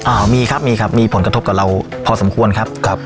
อ่ามีครับมีครับมีผลกระทบกับเราพอสมควรครับครับ